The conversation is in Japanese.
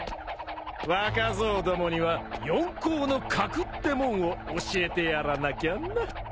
若造どもには四皇の格ってもんを教えてやらなきゃな。